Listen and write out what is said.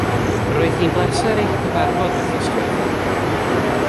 Roedd hi'n bleser eich cyfarfod wythnos diwethaf